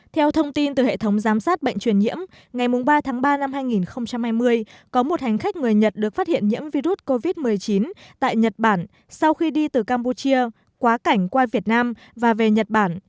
theo thông tin từ hệ thống giám sát bệnh truyền nhiễm ngày ba tháng ba năm hai nghìn hai mươi có một hành khách người nhật được phát hiện nhiễm virus covid một mươi chín tại nhật bản sau khi đi từ campuchia quá cảnh qua việt nam và về nhật bản